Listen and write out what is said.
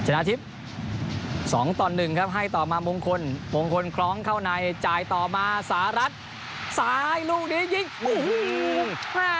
ชนะทิพย์สองต่อหนึ่งครับให้ต่อมามงคลมงคลคล้องเข้าในจ่ายต่อมาสหรัฐซ้ายลูกนี้ยิงโอ้โห